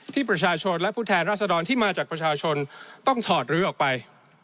ที่ประชาชนและผู้แทนรัศดรที่มาจากประชาชนต้องถอดรื้อออกไป